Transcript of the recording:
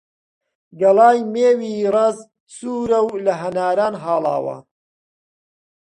گەڵای مێوی ڕەز سوورە و لە هەناران هاڵاوە